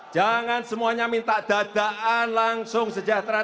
jangan semuanya minta dadaan langsung sejahtera